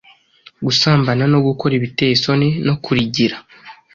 gusambana, gukora ibiteye isoni, no kurigira,